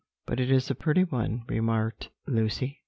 "But it is a pretty one," remarked Lucy.